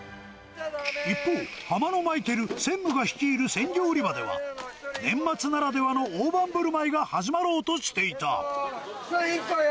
一方、ハマのマイケル、専務が率いる鮮魚売り場では、年末ならではの大盤ぶるまいが始まろうとしていた。